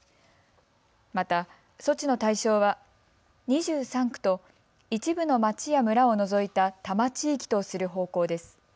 また、措置の対象は２３区と一部の町や村を除いた多摩地域とする方向です。